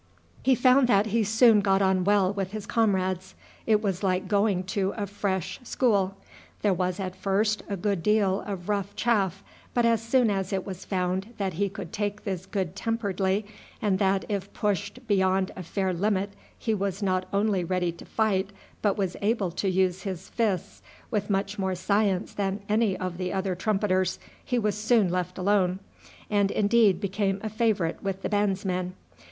He found that he soon got on well with his comrades. It was like going to a fresh school. There was at first a good deal of rough chaff, but as soon as it was found that he could take this good temperedly, and that if pushed beyond a fair limit he was not only ready to fight but was able to use his fists with much more science than any of the other trumpeters, he was soon left alone, and indeed became a favourite with the bandsmen.